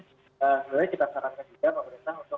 sebenarnya kita sarankan juga pemerintah untuk